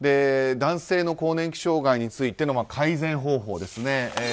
男性の更年期障害についての改善方法です。